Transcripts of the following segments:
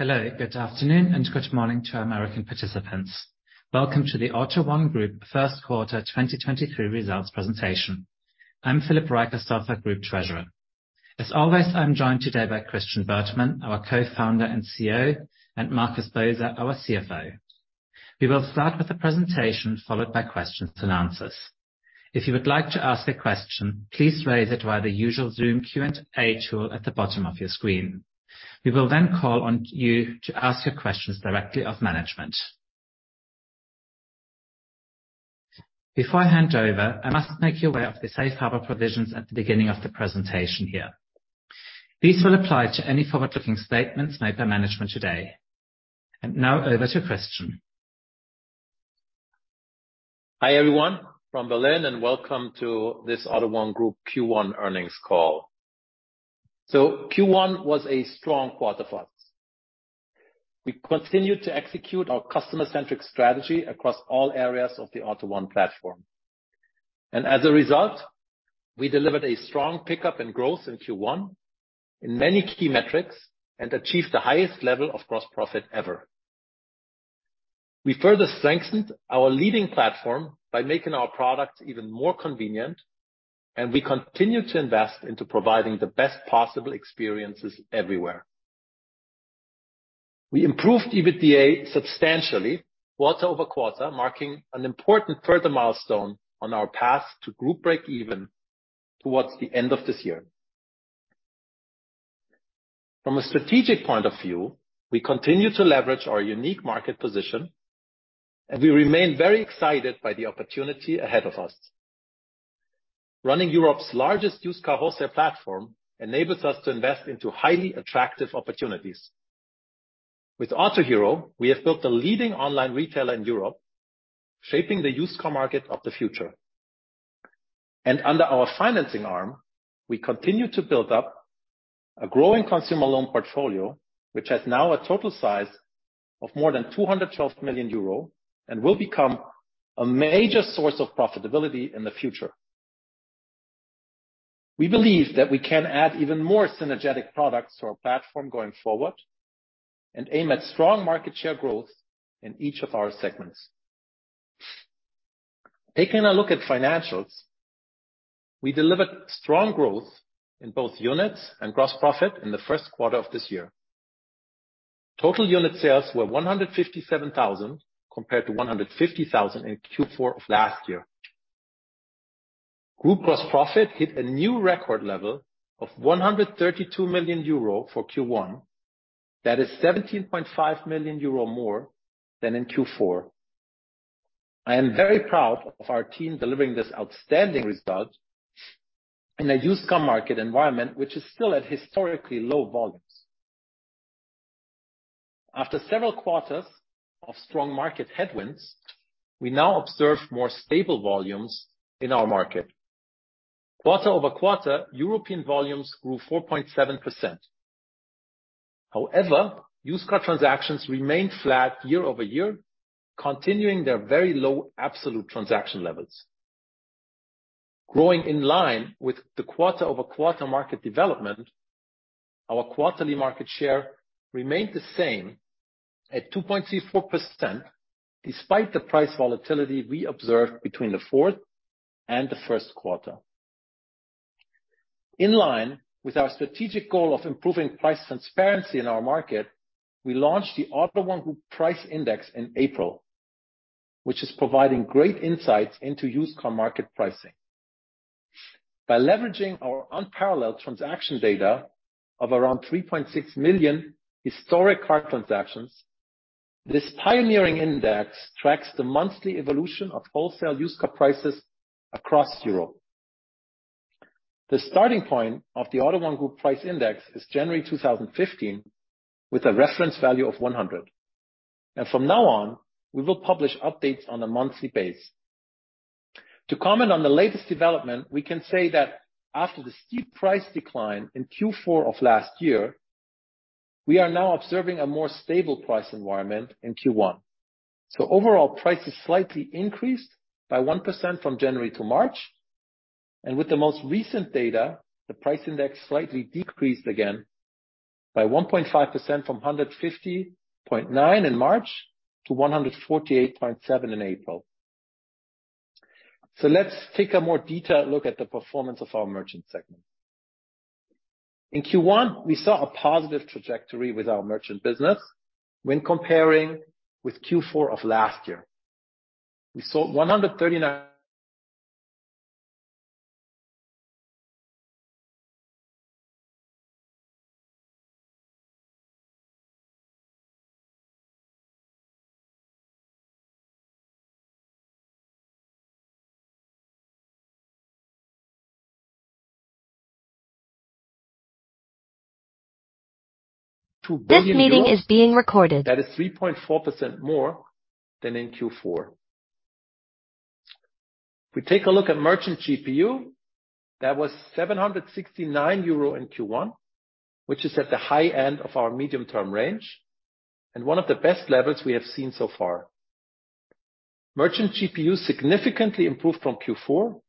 Hello, good afternoon and good morning to our American participants. Welcome to the AUTO1 Group Q1 2023 results presentation. I'm Philip Reicherstorfer, Group Treasurer. As always, I'm joined today by Christian Bertermann, our co-founder and CEO, and Markus Boser, our CFO. We will start with a presentation followed by questions and answers. If you would like to ask a question, please raise it via the usual Zoom Q&A tool at the bottom of your screen. We will then call on you to ask your questions directly of management. Before I hand over, I must make you aware of the safe harbor provisions at the beginning of the presentation here. These will apply to any forward-looking statements made by management today. Now over to Christian. Hi, everyone from Berlin and welcome to this AUTO1 Group Q1 earnings call. Q1 was a strong quarter for us. We continued to execute our customer-centric strategy across all areas of the AUTO1 platform. As a result, we delivered a strong pickup in growth in Q1 in many key metrics and achieved the highest level of gross profit ever. We further strengthened our leading platform by making our products even more convenient, and we continued to invest into providing the best possible experiences everywhere. We improved EBITDA substantially quarter-over-quarter, marking an important further milestone on our path to group breakeven towards the end of this year. From a strategic point of view, we continue to leverage our unique market position, and we remain very excited by the opportunity ahead of us. Running Europe's largest used car wholesale platform enables us to invest into highly attractive opportunities. With Autohero, we have built a leading online retailer in Europe, shaping the used car market of the future. Under our financing arm, we continue to build up a growing consumer loan portfolio, which has now a total size of more than 212 million euro and will become a major source of profitability in the future. We believe that we can add even more synergetic products to our platform going forward and aim at strong market share growth in each of our segments. Taking a look at financials, we delivered strong growth in both units and gross profit in the Q1 of this year. Total unit sales were 157,000 compared to 150,000 in Q4 of last year. Group gross profit hit a new record level of 132 million euro for Q1. That is 17.5 million euro more than in Q4. I am very proud of our team delivering this outstanding result in a used car market environment, which is still at historically low volumes. After several quarters of strong market headwinds, we now observe more stable volumes in our market. quarter-over-quarter, European volumes grew 4.7%. However, used car transactions remained flat year-over-year, continuing their very low absolute transaction levels. Growing in line with the quarter-over-quarter market development, our quarterly market share remained the same at 2.34% despite the price volatility we observed between the fourth and the Q1. In line with our strategic goal of improving price transparency in our market, we launched the AUTO1 Group Price Index in April, which is providing great insights into used car market pricing. By leveraging our unparalleled transaction data of around 3.6 million historic car transactions, this pioneering index tracks the monthly evolution of wholesale used car prices across Europe. The starting point of the AUTO1 Group Price Index is January 2015, with a reference value of 100. From now on, we will publish updates on a monthly base. To comment on the latest development, we can say that after the steep price decline in Q4 of last year, we are now observing a more stable price environment in Q1. Overall prices slightly increased by 1% from January to March, and with the most recent data, the price index slightly decreased again by 1.5% from 150.9 in March to 148.7 in April. Let's take a more detailed look at the performance of our merchant segment. In Q1, we saw a positive trajectory with our merchant business when comparing with Q4 of last year. We saw 139- This meeting is being recorded. That is 3.4% more than in Q4. If we take a look at merchant GPU, that was 769 euro in Q1, which is at the high end of our medium-term range and one of the best levels we have seen so far. Merchant GPU significantly improved from Q4,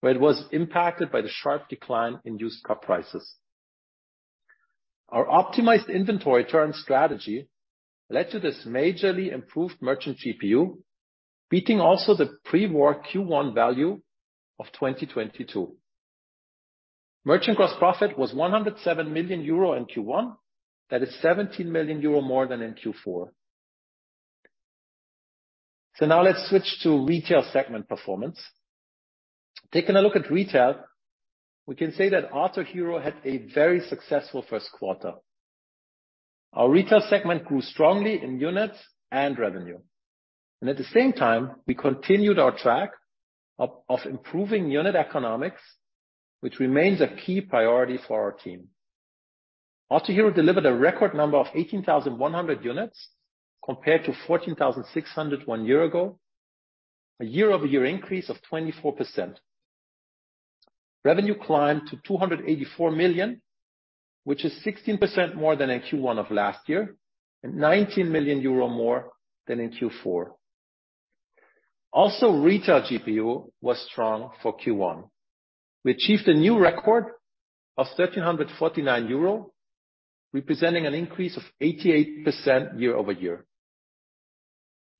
where it was impacted by the sharp decline in used car prices. Our optimized inventory term strategy led to this majorly improved merchant GPU, beating also the pre-war Q1 value of 2022. Merchant gross profit was 107 million euro in Q1. That is 17 million euro more than in Q4. Now let's switch to retail segment performance. Taking a look at retail, we can say that Autohero had a very successful Q1. Our retail segment grew strongly in units and revenue. At the same time, we continued our track of improving unit economics, which remains a key priority for our team. Autohero delivered a record number of 18,100 units compared to 14,601 one year ago, a year-over-year increase of 24%. Revenue climbed to 284 million, which is 16% more than in Q1 of last year and 19 million euro more than in Q4. Retail GPU was strong for Q1. We achieved a new record of 1,349 euro, representing an increase of 88% year-over-year.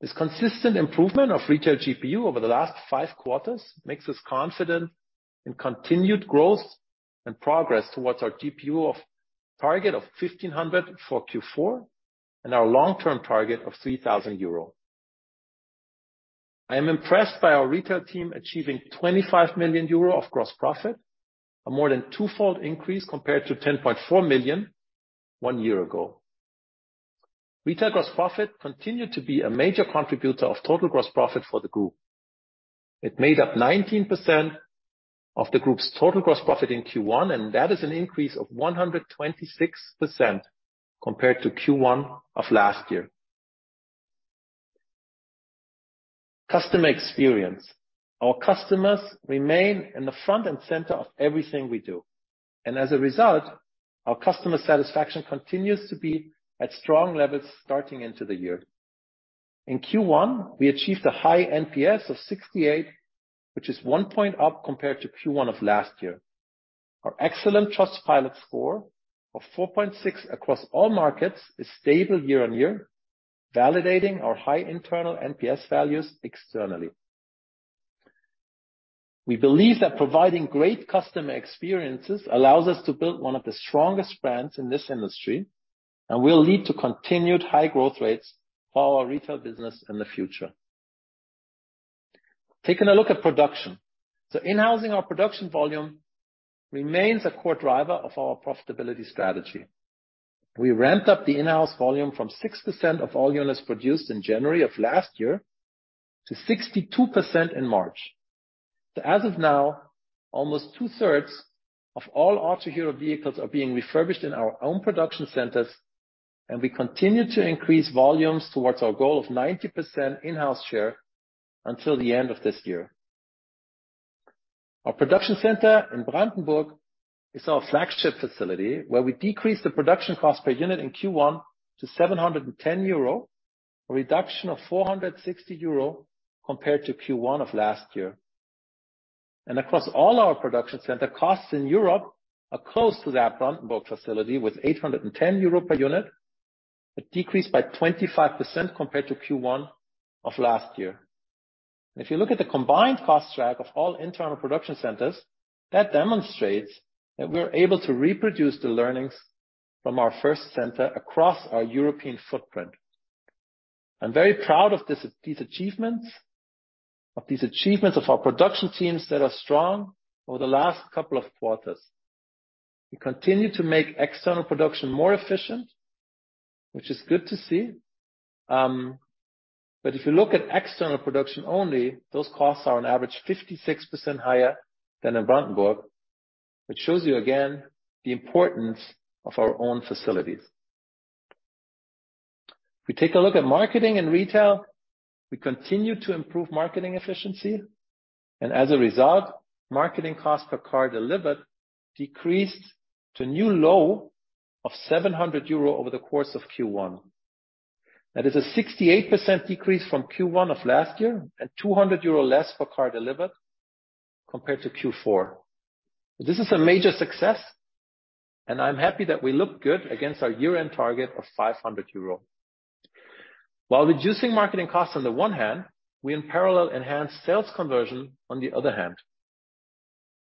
This consistent improvement of retail GPU over the last five quarters makes us confident in continued growth and progress towards our GPU of target of 1,500 for Q4 and our long-term target of 3,000 euro. I am impressed by our retail team achieving 25 million euro of gross profit, a more than twofold increase compared to 10.4 million one year ago. Retail gross profit continued to be a major contributor of total gross profit for the group. It made up 19% of the group's total gross profit in Q1, and that is an increase of 126% compared to Q1 of last year. Customer experience. Our customers remain in the front and center of everything we do. As a result, our customer satisfaction continues to be at strong levels starting into the year. In Q1, we achieved a high NPS of 68, which is 1 point up compared to Q1 of last year. Our excellent Trustpilot score of 4.6 across all markets is stable year-on-year, validating our high internal NPS values externally. We believe that providing great customer experiences allows us to build one of the strongest brands in this industry and will lead to continued high growth rates for our retail business in the future. Taking a look at production. In-housing our production volume remains a core driver of our profitability strategy. We ramped up the in-house volume from 6% of all units produced in January of last year to 62% in March. As of now, almost two-thirds of all Autohero vehicles are being refurbished in our own production centers, and we continue to increase volumes towards our goal of 90% in-house share until the end of this year. Our production center in Brandenburg is our flagship facility, where we decreased the production cost per unit in Q1 to 710 euro, a reduction of 460 euro compared to Q1 of last year. Across all our production center, costs in Europe are close to that Brandenburg facility with 810 euro per unit, a decrease by 25% compared to Q1 of last year. If you look at the combined cost track of all internal production centers, that demonstrates that we're able to reproduce the learnings from our first center across our European footprint. I'm very proud of this, of these achievements of our production teams that are strong over the last couple of quarters. We continue to make external production more efficient, which is good to see. But if you look at external production only, those costs are on average 56% higher than in Brandenburg, which shows you again the importance of our own facilities. If we take a look at marketing and retail, we continue to improve marketing efficiency. As a result, marketing cost per car delivered decreased to a new low of 700 euro over the course of Q1. That is a 68% decrease from Q1 of last year and 200 euro less per car delivered compared to Q4. This is a major success, and I'm happy that we look good against our year-end target of 500 euro. While reducing marketing costs on the one hand, we in parallel enhanced sales conversion on the other hand.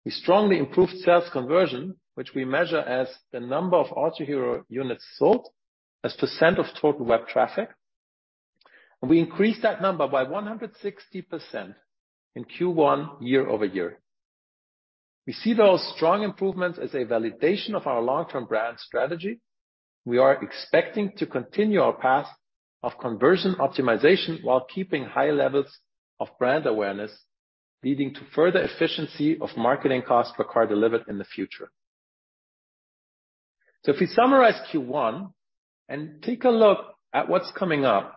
We strongly improved sales conversion, which we measure as the number of Autohero units sold as % of total web traffic. We increased that number by 160% in Q1 year-over-year. We see those strong improvements as a validation of our long-term brand strategy. We are expecting to continue our path of conversion optimization while keeping high levels of brand awareness, leading to further efficiency of marketing costs per car delivered in the future. If we summarize Q1 and take a look at what's coming up,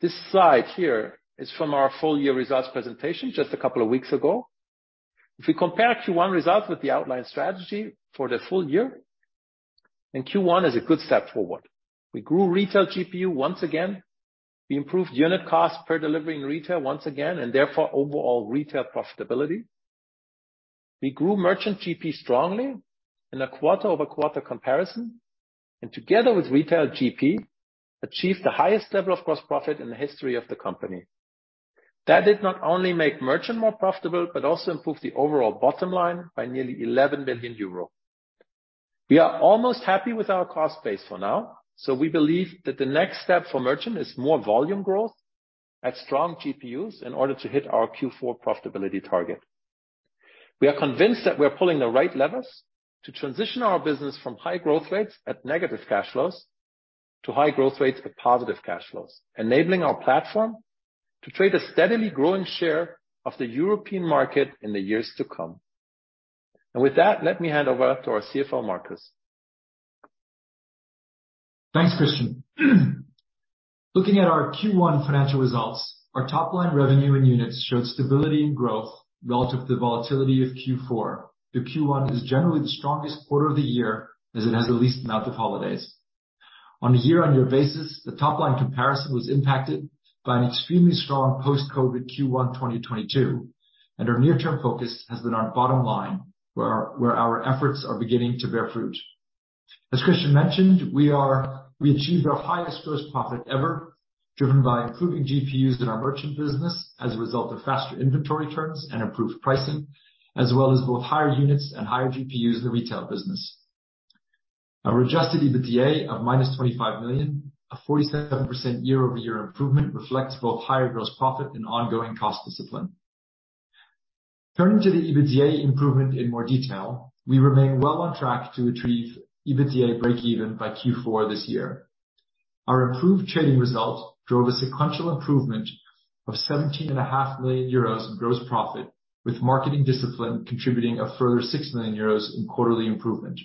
this slide here is from our full year results presentation just a couple of weeks ago. If we compare Q1 results with the outline strategy for the full year. Q1 is a good step forward. We grew retail GPU once again. We improved unit cost per delivery in retail once again, and therefore overall retail profitability. We grew merchant GP strongly in a quarter-over-quarter comparison, and together with retail GP, achieved the highest level of gross profit in the history of the company. That did not only make merchant more profitable, but also improved the overall bottom line by nearly 11 millionf. We are almost happy with our cost base for now, so we believe that the next step for merchant is more volume growth at strong GPUs in order to hit our Q4 profitability target. We are convinced that we're pulling the right levers to transition our business from high growth rates at negative cash flows to high growth rates at positive cash flows, enabling our platform to trade a steadily growing share of the European market in the years to come. With that, let me hand over to our CFO, Markus. Thanks, Christian. Looking at our Q1 financial results, our top line revenue and units showed stability and growth relative to the volatility of Q4, though Q1 is generally the strongest quarter of the year as it has the least amount of holidays. Our near term focus has been our bottom line, where our efforts are beginning to bear fruit. As Christian mentioned, we achieved our highest gross profit ever, driven by improving GPUs in our merchant business as a result of faster inventory turns and improved pricing, as well as both higher units and higher GPUs in the retail business. Our adjusted EBITDA of -25 million, a 47% year-over-year improvement reflects both higher gross profit and ongoing cost discipline. Turning to the EBITDA improvement in more detail, we remain well on track to achieve EBITDA breakeven by Q4 this year. Our improved trading result drove a sequential improvement of 17 and a half million EUR in gross profit, with marketing discipline contributing a further 6 million euros in quarterly improvement.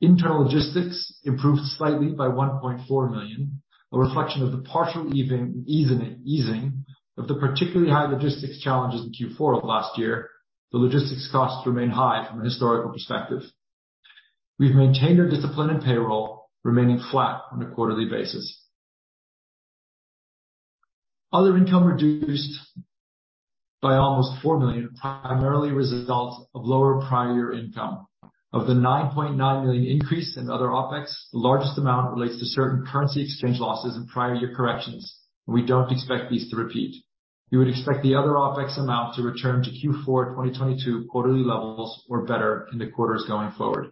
Internal logistics improved slightly by 1.4 million, a reflection of the partial easing of the particularly high logistics challenges in Q4 of last year. The logistics costs remain high from a historical perspective. We've maintained our discipline in payroll, remaining flat on a quarterly basis. Other income reduced by almost 4 million, primarily a result of lower prior income. Of the 9.9 million increase in other OpEx, the largest amount relates to certain currency exchange losses and prior year corrections. We don't expect these to repeat. You would expect the other OpEx amount to return to Q4, 2022 quarterly levels or better in the quarters going forward.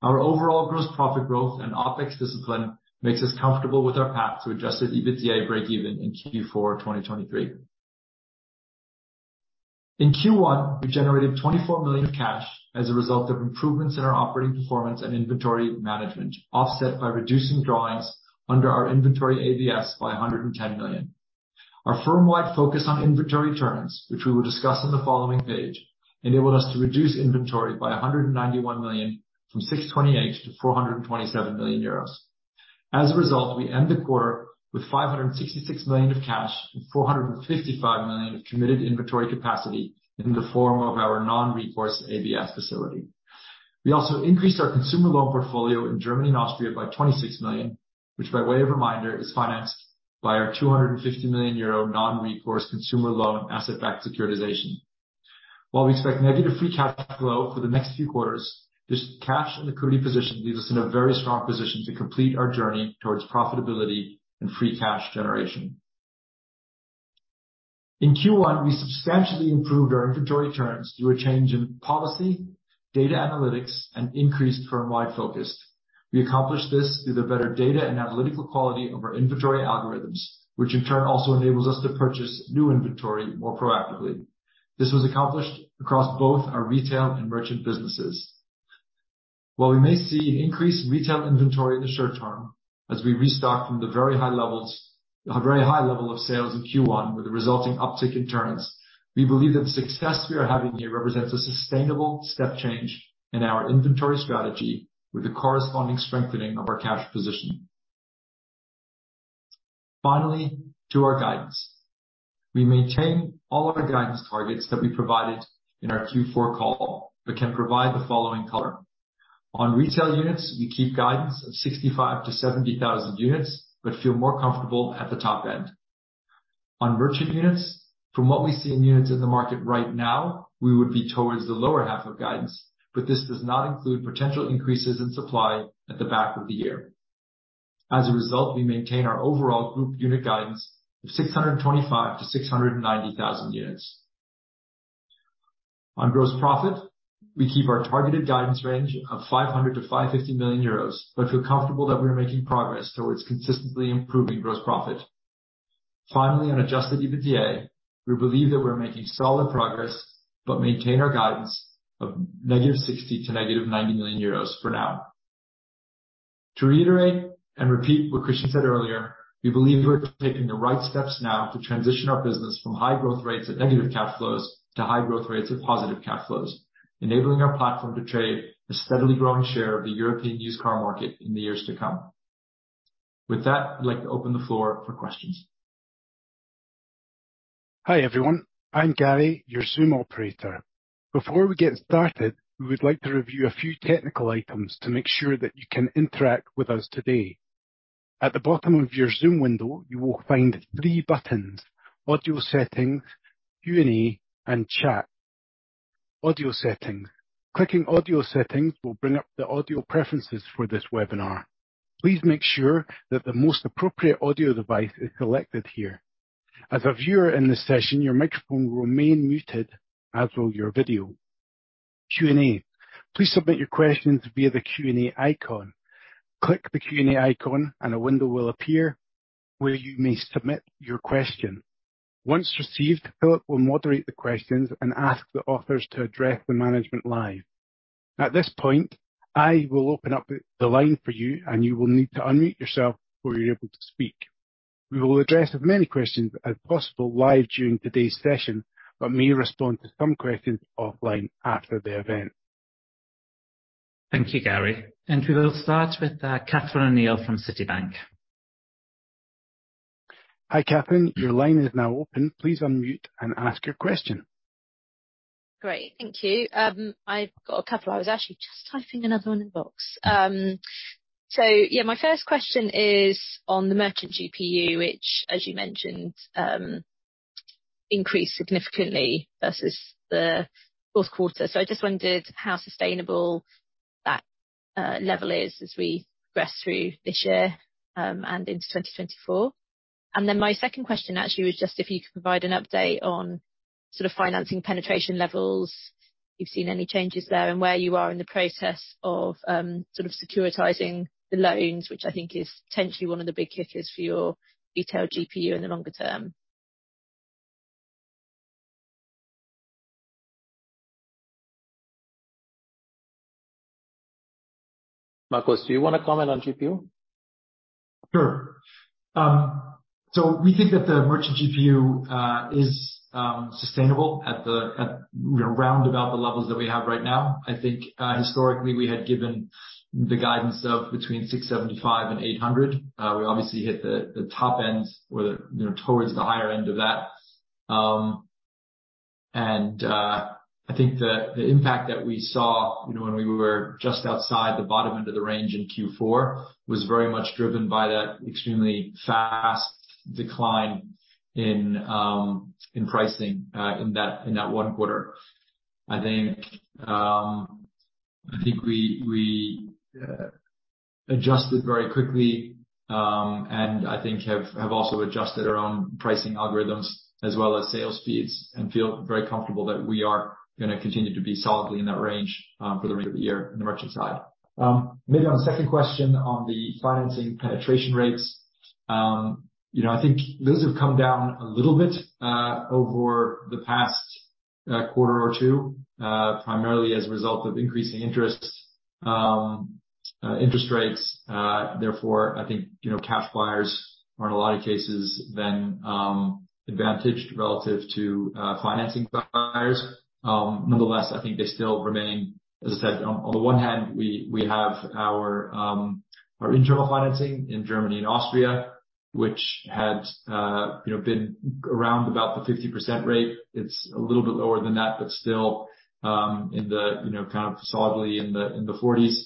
Our overall gross profit growth and OpEx discipline makes us comfortable with our path to adjusted EBITDA breakeven in Q4, 2023. In Q1, we generated 24 million cash as a result of improvements in our operating performance and inventory management, offset by reducing drawings under our inventory ABS by 110 million. Our firm-wide focus on inventory turns, which we will discuss in the following page, enabled us to reduce inventory by 191 million, from 628 million to 427 million euros. As a result, we end the quarter with 566 million of cash and 455 million of committed inventory capacity in the form of our non-recourse ABS facility. We also increased our consumer loan portfolio in Germany and Austria by 26 million, which by way of reminder, is financed by our 250 million euro non-recourse consumer loan asset-backed securitization. While we expect negative free cash flow for the next few quarters, this cash and liquidity position leaves us in a very strong position to complete our journey towards profitability and free cash generation. In Q1, we substantially improved our inventory turns through a change in policy, data analytics, and increased firm-wide focus. We accomplished this through the better data and analytical quality of our inventory algorithms, which in turn also enables us to purchase new inventory more proactively. This was accomplished across both our retail and merchant businesses. While we may see an increase in retail inventory in the short term as we restock from the very high level of sales in Q1 with a resulting uptick in turns, we believe that the success we are having here represents a sustainable step change in our inventory strategy with the corresponding strengthening of our cash position. To our guidance. We maintain all of the guidance targets that we provided in our Q4 call, can provide the following color. On retail units, we keep guidance of 65,000-70,000 units, feel more comfortable at the top end. On merchant units, from what we see in units in the market right now, we would be towards the lower half of guidance, this does not include potential increases in supply at the back of the year. As a result, we maintain our overall group unit guidance of 625-690,000 units. On gross profit, we keep our targeted guidance range of 500 million-550 million euros, but feel comfortable that we are making progress towards consistently improving gross profit. Finally, on adjusted EBITDA, we believe that we're making solid progress, but maintain our guidance of negative 60 million to negative 90 million euros for now. To reiterate and repeat what Christian said earlier, we believe we're taking the right steps now to transition our business from high growth rates at negative cash flows to high growth rates at positive cash flows, enabling our platform to trade a steadily growing share of the European used car market in the years to come. With that, I'd like to open the floor for questions. Hi, everyone. I'm Gary, your Zoom operator. Before we get started, we would like to review a few technical items to make sure that you can interact with us today. At the bottom of your Zoom window, you will find three buttons: Audio Settings, Q&A, and Chat. Audio Settings. Clicking Audio Settings will bring up the audio preferences for this webinar. Please make sure that the most appropriate audio device is selected here. As a viewer in this session, your microphone will remain muted, as will your video. Q&A. Please submit your questions via the Q&A icon. Click the Q&A icon and a window will appear where you may submit your question. Once received, Philip will moderate the questions and ask the authors to address the management live. At this point, I will open up the line for you, and you will need to unmute yourself before you're able to speak. We will address as many questions as possible live during today's session, but may respond to some questions offline after the event. Thank you, Gary. We will start with Catherine O'Neill from Citi. Hi, Catherine. Your line is now open. Please unmute and ask your question. Great. Thank you. I've got a couple. I was actually just typing another one in the box. Yeah, my first question is on the merchant GPU, which, as you mentioned, increased significantly versus the Q4. I just wondered how sustainable that level is as we progress through this year, and into 2024. Then my second question actually was just if you could provide an update on sort of financing penetration levels. If you've seen any changes there and where you are in the process of, sort of securitizing the loans, which I think is potentially one of the big hitters for your retail GPU in the longer term. Markus, do you wanna comment on GPU? Sure. We think that the merchant GPU is sustainable at, you know, round about the levels that we have right now. I think historically, we had given the guidance of between 675 and 800. We obviously hit the top end or, you know, towards the higher end of that. I think the impact that we saw, you know, when we were just outside the bottom end of the range in Q4 was very much driven by that extremely fast decline in pricing in that one quarter. I think we adjusted very quickly, and I think have also adjusted our own pricing algorithms as well as sales feeds and feel very comfortable that we are gonna continue to be solidly in that range for the rest of the year in the merchant side. Maybe on the second question on the financing penetration rates. You know, I think those have come down a little bit over the past quarter or two, primarily as a result of increasing interest rates. Therefore, I think, you know, cash buyers are in a lot of cases then advantaged relative to financing buyers. Nonetheless, I think they still remain... As I said, on the one hand, we have our internal financing in Germany and Austria, which had, you know, been around about the 50% rate. It's a little bit lower than that, but still, you know, kind of solidly in the 40s.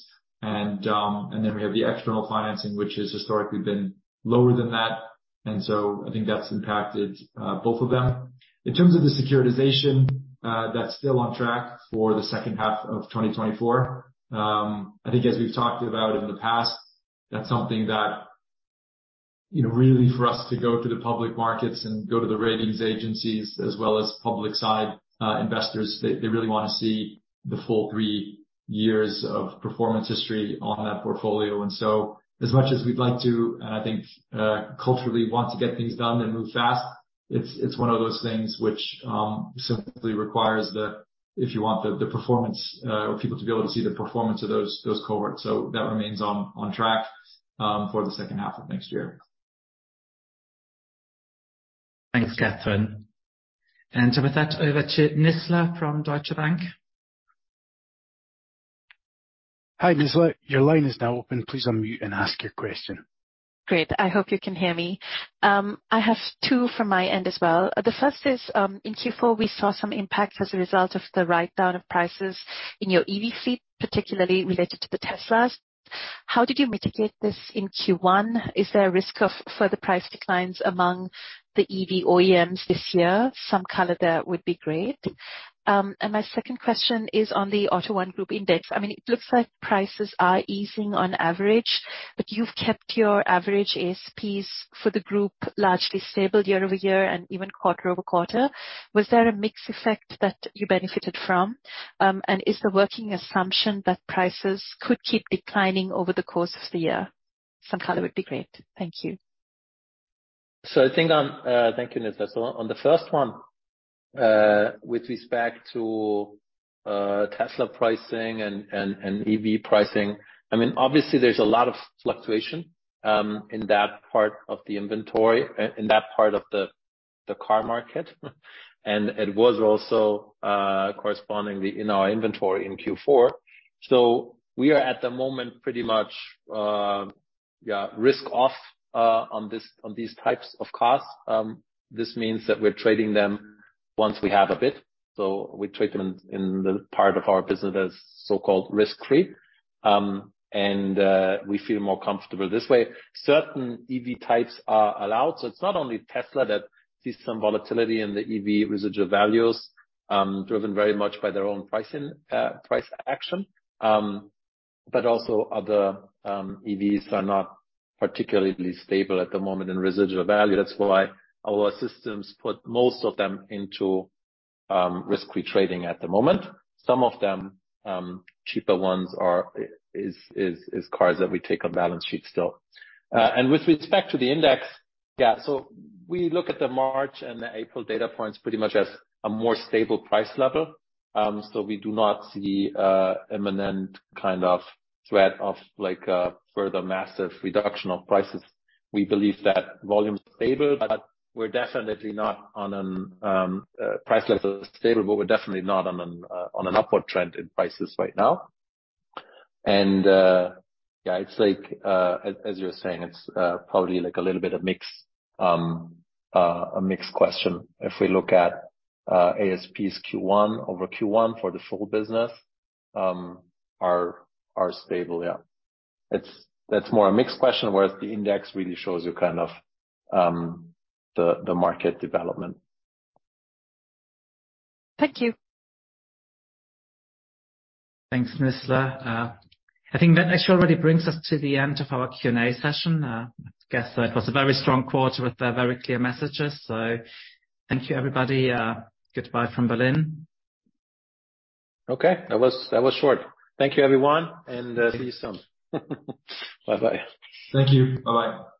Then we have the external financing, which has historically been lower than that. I think that's impacted both of them. In terms of the securitization, that's still on track for the second half of 2024. I think as we've talked about in the past, that's something that, you know, really for us to go to the public markets and go to the ratings agencies as well as public side investors, they really wanna see the full 3 years of performance history on that portfolio. As much as we'd like to, and I think, culturally want to get things done and move fast, it's one of those things which simply requires the performance, or people to be able to see the performance of those cohorts. That remains on track for the second half of next year. Thanks, Catherine. With that, over to Nizla from Deutsche Bank. Hi, Nizla. Your line is now open. Please unmute and ask your question. Great. I hope you can hear me. I have two from my end as well. The first is, in Q4, we saw some impact as a result of the write-down of prices in your EV fleet, particularly related to the Teslas. How did you mitigate this in Q1? Is there a risk of further price declines among the EV OEMs this year? Some color there would be great. My second question is on the AUTO1 group index. I mean, it looks like prices are easing on average, but you've kept your average ASPs for the group largely stable year-over-year and even quarter-over-quarter. Was there a mix effect that you benefited from? Is the working assumption that prices could keep declining over the course of the year? Some color would be great. Thank you. I think on, thank you, Nizla. On the first one, with respect to Tesla pricing and EV pricing, I mean, obviously there's a lot of fluctuation in that part of the inventory and in that part of the car market. It was also correspondingly in our inventory in Q4. We are, at the moment, pretty much risk off on these types of cars. This means that we're trading them once we have a bid. We trade them in the part of our business as so-called risk-free. And we feel more comfortable this way. Certain EV types are allowed. It's not only Tesla that sees some volatility in the EV residual values, driven very much by their own pricing, price action, but also other EVs are not particularly stable at the moment in residual value. That's why our systems put most of them into risk-free trading at the moment. Some of them, cheaper ones are cars that we take on balance sheet still. With respect to the index, we look at the March and the April data points pretty much as a more stable price level. We do not see an imminent kind of threat of like a further massive reduction of prices. We believe that volume's stable, but we're definitely not on an price level stable, but we're definitely not on an upward trend in prices right now. Yeah, it's like as you're saying, it's probably like a little bit of mix, a mixed question. If we look at ASPs Q1 over Q1 for the full business, are stable. Yeah. That's more a mixed question, whereas the index really shows you kind of the market development. Thank you. Thanks, Nizla. I think that actually already brings us to the end of our Q&A session. I guess it was a very strong quarter with very clear messages. Thank you, everybody. Goodbye from Berlin. Okay. That was short. Thank you, everyone, and see you soon. Bye-bye. Thank you. Bye-bye.